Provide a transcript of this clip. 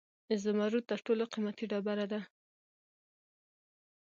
زمرد تر ټولو قیمتي ډبره ده